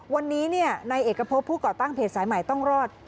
วันนี้นายเอกพบผู้ก่อตั้งเพจสายใหม่ต้องรอด